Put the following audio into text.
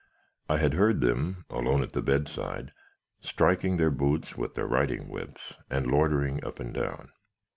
I had heard them, alone at the bedside, striking their boots with their riding whips, and loitering up and down.